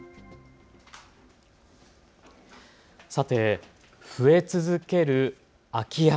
さて、増え続ける空き家。